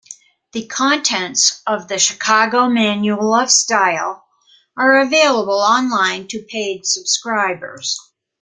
The contents of "The Chicago Manual of Style" are available online to paid subscribers.